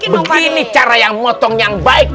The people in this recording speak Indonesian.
begini cara yang motong yang baik